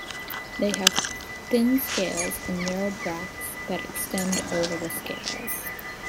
They have thin scales and narrow bracts that extend over the scales.